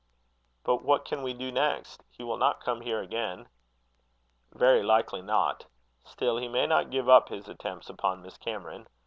"But what can we do next? He will not come here again." "Very likely not. Still he may not give up his attempts upon Miss Cameron.